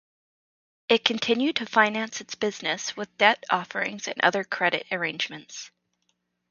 It continued to finance its business with debt offerings and other credit arrangements.